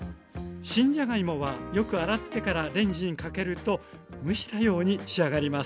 新じゃがいもはよく洗ってからレンジにかけると蒸したように仕上がります。